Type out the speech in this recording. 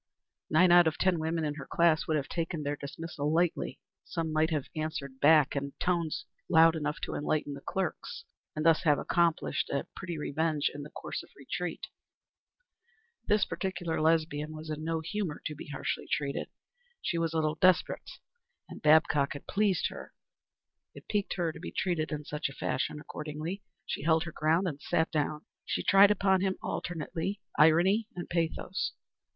Nine out of ten women of her class would have taken their dismissal lightly. Some might have answered back in tones loud enough to enlighten the clerks, and thus have accomplished a pretty revenge in the course of retreat. This particular Lesbian was in no humor to be harshly treated. She was a little desperate and Babcock had pleased her. It piqued her to be treated in such a fashion; accordingly, she held her ground and sat down. She tried upon him, alternately, irony and pathos.